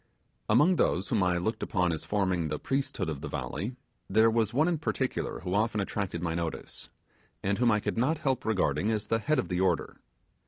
Among those whom I looked upon as forming the priesthood of the valley, there was one in particular who often attracted my notice, and whom I could not help regarding as the head of the order.